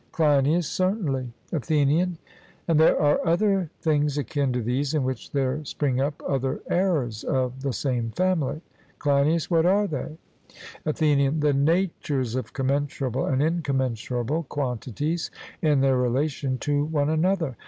CLEINIAS: Certainly. ATHENIAN: And there are other things akin to these, in which there spring up other errors of the same family. CLEINIAS: What are they? ATHENIAN: The natures of commensurable and incommensurable quantities in their relation to one another.